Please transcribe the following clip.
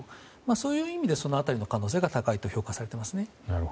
そういう意味でその辺りの可能性が高いと評価されていますね。